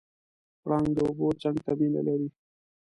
پړانګ د اوبو څنګ ته مینه لري.